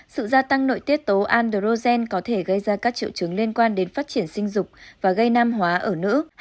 sự gia tăng nội tiết tố androgen có thể gây ra các triệu chứng liên quan đến phát triển sinh dục và gây nam hóa ở nữ